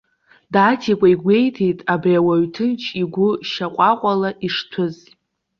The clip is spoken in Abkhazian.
Даҭикәа игәеиҭеит, абри ауаҩ ҭынч игәы шьаҟәаҟәала ишҭәыз.